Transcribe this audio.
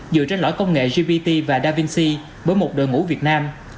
dựa trên lõi công nghệ gpt và davinc bởi một đội ngũ việt nam